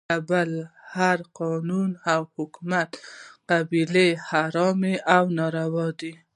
د بل هر قانون او حکومت قبلول حرام او ناروا دی .